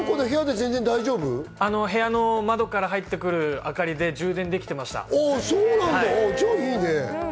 部屋の窓から入ってくる明かりで充電できてました。